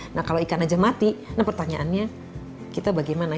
nah kalau ikan saja mati pertanyaannya kita bagaimana